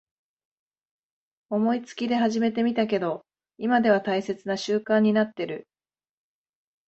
思いつきで始めてみたけど今では大切な習慣になってる